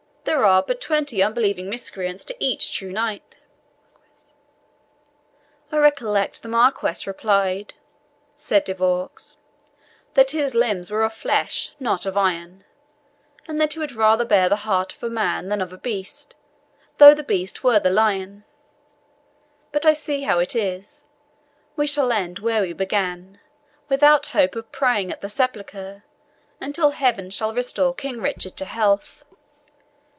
There are but twenty unbelieving miscreants to each true knight." "I recollect the Marquis replied," said De Vaux, "that his limbs were of flesh, not of iron, and that he would rather bear the heart of a man than of a beast, though that beast were the lion, But I see how it is we shall end where we began, without hope of praying at the Sepulchre until Heaven shall restore King Richard to health."